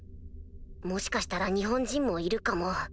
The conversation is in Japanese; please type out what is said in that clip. もしかしたら日本人もいるかも。